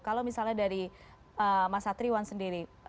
kalau misalnya dari mas satriwan sendiri